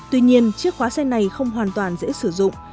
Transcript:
tuy nhiên chiếc khóa xe này không hoàn toàn dễ sử dụng